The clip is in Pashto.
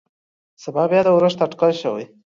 سبا بيا د اورښت اټکل شوى.